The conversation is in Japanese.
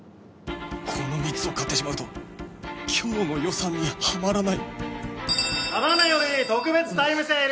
この３つを買ってしまうと今日の予算にハマらないただ今より特別タイムセール！